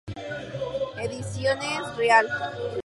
Ediciones Rialp.